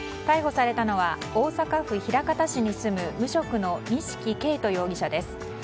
逮捕されたのは大阪府枚方市に住む無職の西木恵人容疑者です。